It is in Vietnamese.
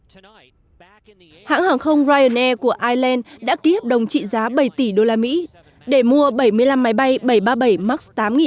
hãng hàng không ryanair của ireland đã ký hợp đồng trị giá bảy tỷ usd để mua bảy mươi năm máy bay bảy trăm ba mươi bảy max tám nghìn hai trăm linh